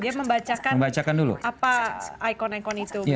dia membacakan apa icon icon itu